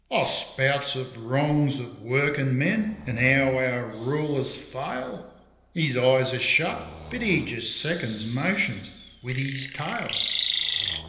I spouts of wrongs of workin' men an' how our rulers fail. His eyes are shut, but he just seconds motions with his tail.